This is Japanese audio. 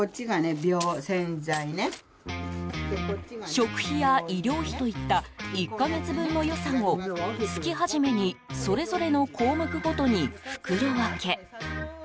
食費や医療費といった１か月分の予算を月初めにそれぞれの項目ごとに袋分け。